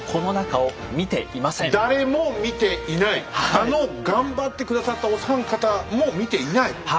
あの頑張って下さったお三方も見ていない？